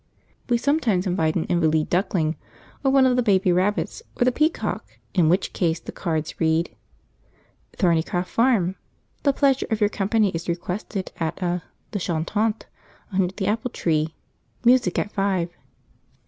We sometimes invite an "invaleed" duckling, or one of the baby rabbits, or the peacock, in which case the cards read: Thornycroft Farm. The pleasure of your company is requested at a The Chantant Under the Apple Tree. Music at five.